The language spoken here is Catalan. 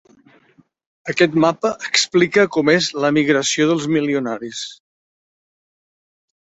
Aquest mapa explica com és l’emigració dels milionaris.